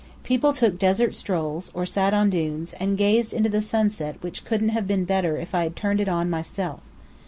People took desert strolls, or sat on dunes, and gazed into the sunset which couldn't have been better if I had turned it on myself.